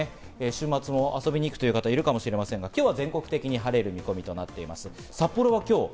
週末、遊びに行く方がいるかもしれませんが今日は全国的に晴れる見込みとなっています。